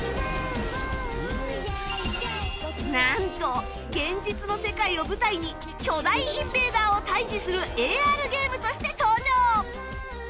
なんと現実の世界を舞台に巨大インベーダーを退治する ＡＲ ゲームとして登場